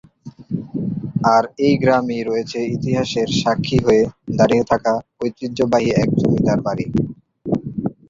আর এই গ্রামেই রয়েছে ইতিহাসের সাক্ষী হয়ে দাড়িয়ে থাকা ঐতিহ্যবাহী এক জমিদার বাড়ি।